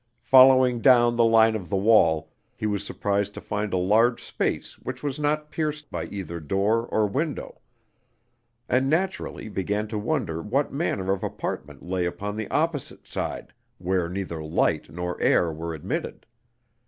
Following down the line of the wall, he was surprised to find a large space which was not pierced by either door or window, and naturally began to wonder what manner of apartment lay upon the opposite side, where neither light nor air were admitted.